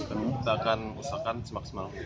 kami akan usahakan semaksimal mungkin